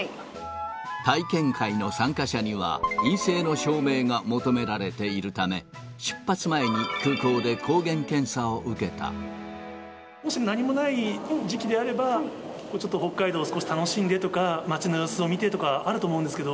体験会の参加者には、陰性の証明が求められているため、もし何もない時期であれば、ちょっと北海道を少し楽しんでとか、街の様子を見てとかあると思うんですけど。